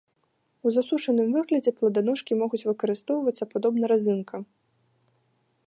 У засушаным выглядзе пладаножкі могуць выкарыстоўвацца падобна разынкам.